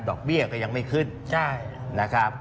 ดอกเบี้ยก็ยังไม่ขึ้น